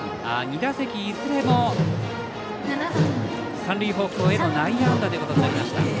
２打席いずれも三塁方向への内野安打ということになりました。